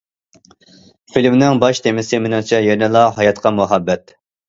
فىلىمنىڭ باش تېمىسى مېنىڭچە يەنىلا ھاياتقا مۇھەببەت.